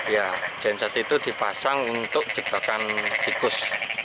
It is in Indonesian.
ya genset itu dipasang untuk jebakan tikus